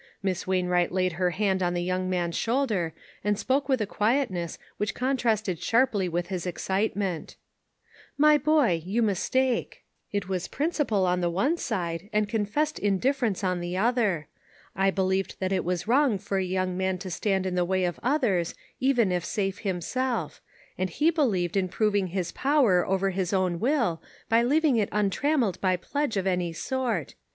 Miss Wainwright laid her hand on the young man's shoulder, and spoke with a quietness which contrasted strongly with his excitement. "My boy, you mistake. It was principle 424 ONE COMMONPLACE DAY. on the one side, and confessed indifference on the other. I believed that it was wrong for a young man to stand in the way of others, even if safe himself; and he believed in proving his power over his own will, by leaving it untrainmeled by pledge of any sort.